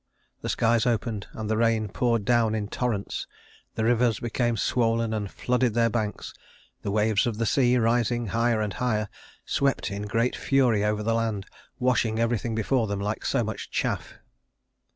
The skies opened, and the rain poured down in torrents; the rivers became swollen and flooded their banks; the waves of the sea, rising higher and higher, swept in great fury over the land, washing everything before them like so much chaff.